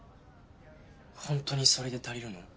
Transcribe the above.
ホントにそれで足りるの？